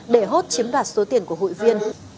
để hốt chiếm đoạt số tiền của hội viên